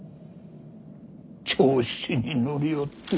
調子に乗りおって。